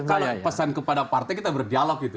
kalau pesan kepada partai kita berdialog gitu